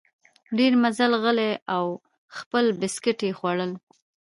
ډېر مزل غلی او خپل بسکیټ یې خوړل.